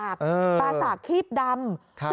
ปลาสากคลีบดำ